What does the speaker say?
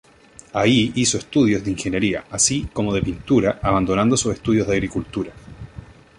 Ahí hizo estudios de ingeniería, así como de pintura, abandonando sus estudios de agricultura.